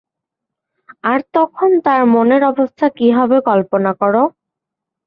আর তখন তার মনের অবস্থা কী হবে কল্পনা করো।